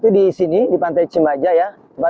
di sini di pantai cimaja ya